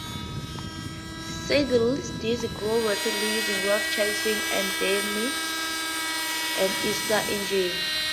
Siddeley-Deasy grew rapidly using Rover chassis and Daimler and Aster engines.